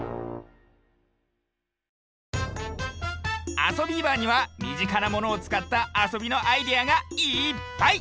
「あそビーバー」にはみぢかなものをつかったあそびのアイデアがいっぱい！